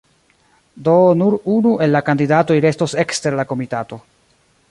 Do nur unu el la kandidatoj restos ekster la komitato.